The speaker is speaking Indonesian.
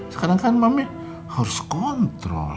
sekarang kan mami harus kontrol